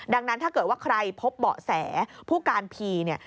ดังนั้นถ้าเกิดว่าใครพบเบาะแสผู้การพีเนี่ย